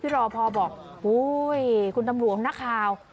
นี่พี่รอพอบอกคุณตำรวจของนักข่าว